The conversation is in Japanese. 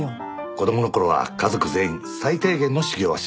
子供のころは家族全員最低限の修行はします。